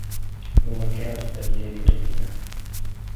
Non mancherà tuttavia il lieto fine.